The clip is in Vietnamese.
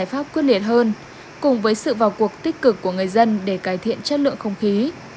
giải pháp quyết liệt hơn cùng với sự vào cuộc tích cực của người dân để cải thiện chất lượng không khí